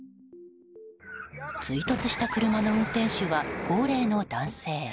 追突した車の運転手は高齢の男性。